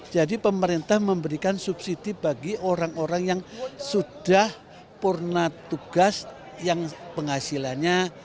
jadi pemerintah memberikan subsidi bagi orang orang yang sudah pernah tugas yang penghasilannya